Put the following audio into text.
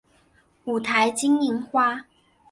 五台金银花